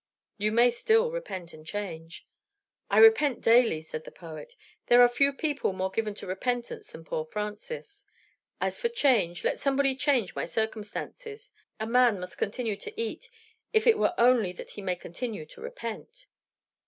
"You may still repent and change." "I repent daily," said the poet. "There are few people more given to repentance than poor Francis. As for change, let somebody change my circumstances. A man must continue to eat, if it were only that he may continue to repent."